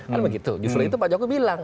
kan begitu justru itu pak jokowi bilang